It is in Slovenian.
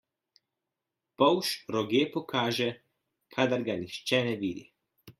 Polž roge pokaže, kadar ga nihče ne vidi.